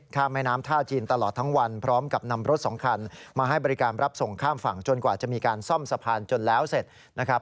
ข้ามแม่น้ำท่าจีนตลอดทั้งวันพร้อมกับนำรถสองคันมาให้บริการรับส่งข้ามฝั่งจนกว่าจะมีการซ่อมสะพานจนแล้วเสร็จนะครับ